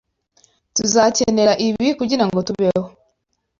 Tuzakenera ibi kugirango tubeho.